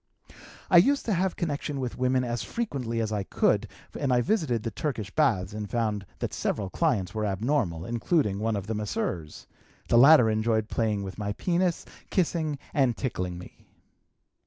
"I used to have connection with women as frequently as I could, and I frequently visited the Turkish baths and found that several clients were abnormal, including one of the masseurs; the latter enjoyed playing with my penis, kissing and tickling me.